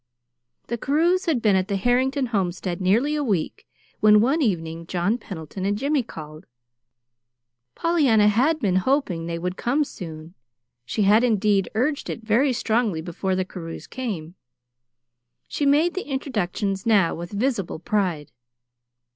The Carews had been at the Harrington homestead nearly a week when one evening John Pendleton and Jimmy called. Pollyanna had been hoping they would come soon. She had, indeed, urged it very strongly before the Carews came. She made the introductions now with visible pride.